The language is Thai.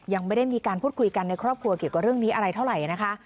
ยังไม่ได้มีการพูดคุยกันในครอบครัวเกี่ยวกับเรื่องนี้อะไรเท่าไหร่นะคะ